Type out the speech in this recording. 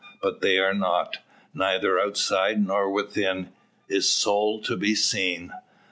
But they are not. Neither outside, nor within, is soul to be seen.